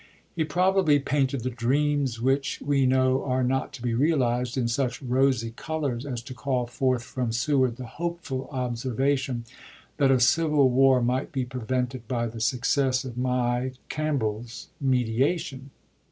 He probably painted the " dreams which ^llei.13' we know are not to be realized " in such rosy colors as to call forth from Seward the hopeful observa tion " that a civil war might be prevented by the pp.Tm 428. success of my [Campbell's] mediation."